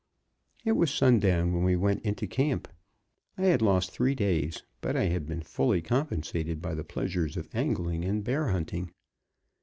It was sundown when we went into camp. I had lost three days, but I had been fully compensated by the pleasures of angling and bear hunting.